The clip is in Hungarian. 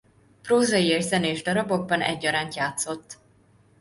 Prózai és zenés darabokban egyaránt játszott.